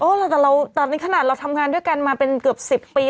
โอ้แต่เราแต่ในขณะเราทำงานด้วยกันมาเป็นเกือบสิบปี